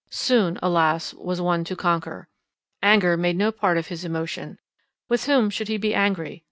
Soon, alas! was one to conquer. Anger made no part of his emotion. With whom should he be angry?